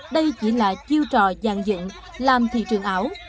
đây chỉ là chiêu trò dàn dựng làm thị trường ảo